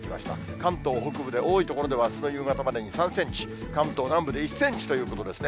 関東北部で多い所ではあすの夕方までに３センチ、関東南部で１センチということですね。